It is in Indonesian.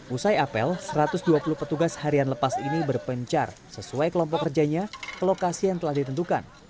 usai apel satu ratus dua puluh petugas harian lepas ini berpencar sesuai kelompok kerjanya ke lokasi yang telah ditentukan